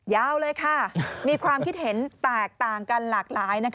ยาวเลยค่ะมีความคิดเห็นแตกต่างกันหลากหลาย